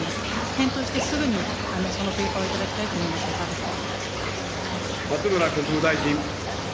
検討してすぐにそのペーパーを頂きたいと思いますが、いかがですか。